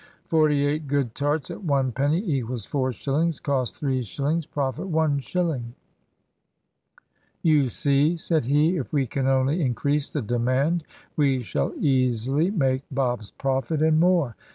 48 good tarts at 1 penny = 4 shillings, cost 3 shillings, profit 1 shilling. "You see," said he, "if we can only increase the demand, we shall easily make Bob's profit, and more.